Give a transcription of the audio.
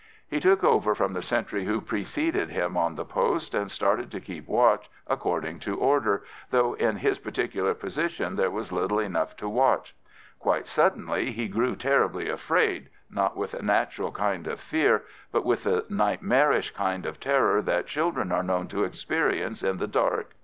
He "took over" from the sentry who preceded him on the post, and started to keep watch according to orders, though in his particular position there was little enough to watch. Quite suddenly he grew terribly afraid, not with a natural kind of fear, but with the nightmarish kind of terror that children are known to experience in the dark.